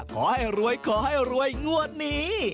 ขอให้รวยขอให้รวยงวดนี้